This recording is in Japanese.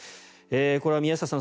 これは宮下さん